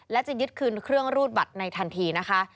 และจะยึดคืนเครื่องรูดบัตรในทันทีนะคะ